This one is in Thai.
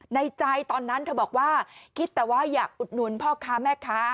ในใจตอนนั้นเธอบอกว่าคิดแต่ว่าอยากอุดหนุนพ่อค้าแม่ค้า